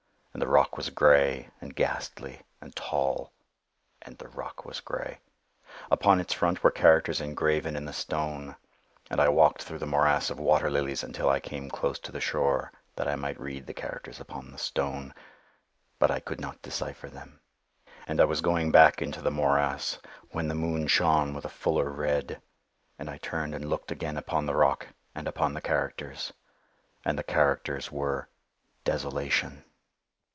And the rock was gray, and ghastly, and tall,—and the rock was gray. Upon its front were characters engraven in the stone; and I walked through the morass of water lilies, until I came close unto the shore, that I might read the characters upon the stone. But I could not decypher them. And I was going back into the morass, when the moon shone with a fuller red, and I turned and looked again upon the rock, and upon the characters, and the characters were DESOLATION.